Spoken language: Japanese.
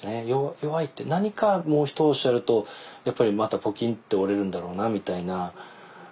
何かもう一押しあるとやっぱりまたポキンって折れるんだろうなみたいな。